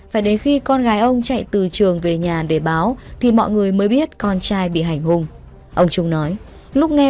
phải đến khi con gái ông chạy từ trường về nhà để báo thì mọi người mới biết con trai bị hành hung